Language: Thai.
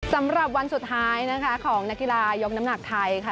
สำหรับวันสุดท้ายนะคะของนักกีฬายกน้ำหนักไทยค่ะ